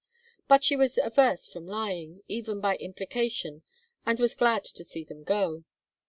But she was averse from lying, even by implication, and was glad to see them go.